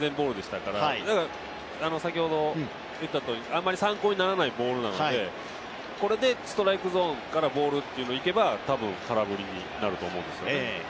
だから先ほど言ったとおり、あまり参考にならないボールなのでこれでストライクゾーンからボールというのをいけば多分空振りになると思うんですね。